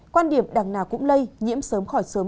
quan điểm đằng nào cũng lây nhiễm sớm khỏi sớm